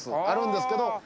あるんですけど。